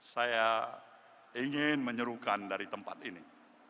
saya ingin menyerukan dari tempat ini